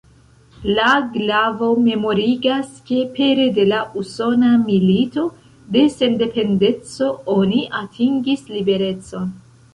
La glavo memorigas ke pere de la Usona Milito de Sendependeco oni atingis liberecon.